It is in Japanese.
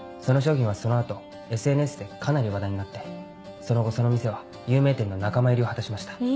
その商品はその後ＳＮＳでかなり話題になってその後その店は有名店の仲間入りを果たしました。